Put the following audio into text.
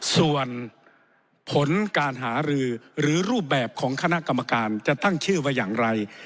ส่วนผลการหารือหรือรูปแบบของคณะกรรมการจะตั้งชื่อว่าอย่างไร